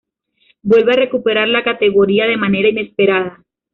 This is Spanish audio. Vuelve a recuperar la categoría de manera inesperada.